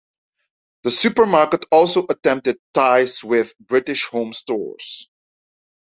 The supermarket also attempted ties with British Home Stores.